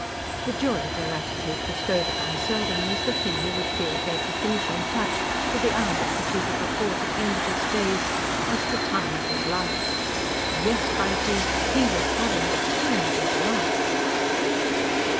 The joy their attitude bestowed upon Selden was the thing he would feel gave the finishing touch to the hours which he would recall to the end of his days as the "time of his life." Yes, by gee! he was having "the time of his life."